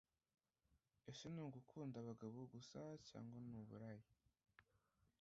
ese nugukunda abagabo gusa cg nuburaya